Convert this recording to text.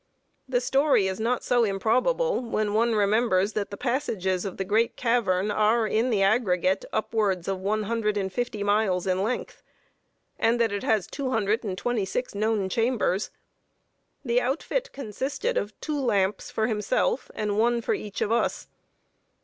The story is not so improbable when one remembers that the passages of the great cavern are, in the aggregate, upwards of one hundred and fifty miles in length, and that it has two hundred and twenty six known chambers. The outfit consisted of two lamps for himself and one for each of us.